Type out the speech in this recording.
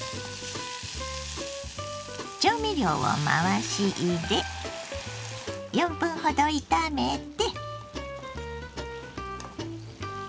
調味料を回し入れ４分ほど炒めて。